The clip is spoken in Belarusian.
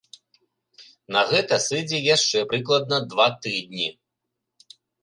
На гэта сыдзе яшчэ прыкладна два тыдні.